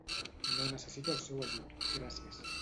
No necessito el seu ajut, gràcies.